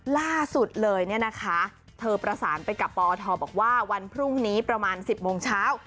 ล่าสุดเลยเนี่ยนะคะเธอประสานไปกับปอทบอกว่าวันพรุ่งนี้ประมาณ๑๐โมงเช้า